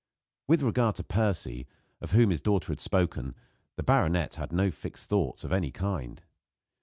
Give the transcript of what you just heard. With regard to Percy, of whom his daughter had spoken, the baronet had no fixed thoughts of any kind.